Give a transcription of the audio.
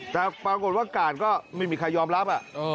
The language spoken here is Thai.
แต่ปรากฏว่ากาดก็ไม่มีใครยอมรับ